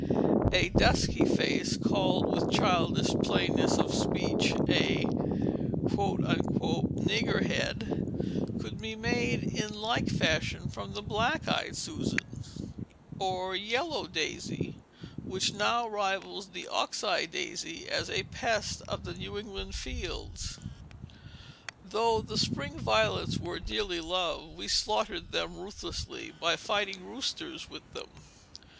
A dusky face, called with childish plainness of speech a "nigger head," could be made in like fashion from the "black eyed Susan" or "yellow daisy," which now rivals the ox eye daisy as a pest of New England fields. Though the spring violets were dearly loved, we slaughtered them ruthlessly by "fighting roosters" with them.